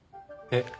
えっ？